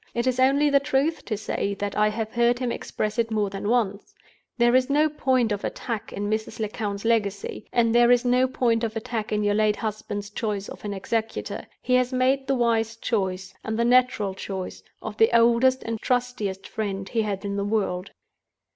It is only the truth to say that I have heard him express it more than once. There is no point of attack in Mrs. Lecount's legacy, and there is no point of attack in your late husband's choice of an executor. He has made the wise choice, and the natural choice, of the oldest and trustiest friend he had in the world.